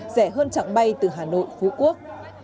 dạy hơn trạng bay từ hà nội phú quốc